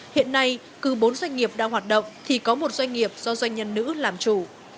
hiện nay cứ bốn doanh nghiệp đang hoạt động thì có một doanh nghiệp do doanh nhân nữ làm chủ